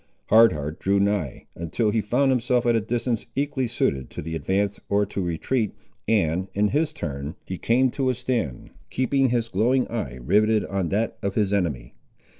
Hard Heart drew nigh, until he found himself at a distance equally suited to advance or to retreat, and, in his turn, he came to a stand, keeping his glowing eye riveted on that of his enemy.